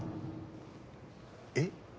えっ？